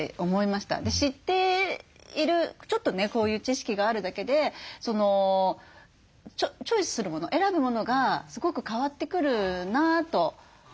知っているちょっとねこういう知識があるだけでチョイスするもの選ぶものがすごく変わってくるなと。